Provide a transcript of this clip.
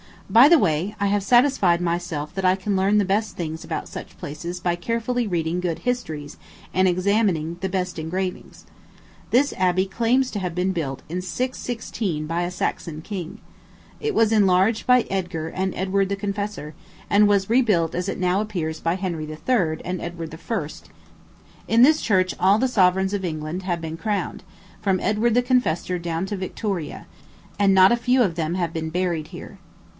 By the way, I have satisfied myself that I can learn the best things about such places by carefully reading good histories and examining the best engravings. This abbey claims to have been built, in 616, by a Saxon king. It was enlarged by Edgar and Edward the Confessor, and was rebuilt as it now appears by Henry III. and Edward I. In this church all the sovereigns of England have been crowned, from Edward the Confessor down to Victoria; and not a few of them have been buried here.